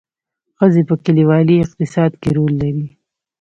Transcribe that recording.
ښځې په کلیوالي اقتصاد کې رول لري